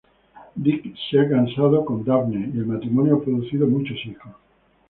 Dirk se ha casado con Daphne, y el matrimonio ha producido muchos hijos.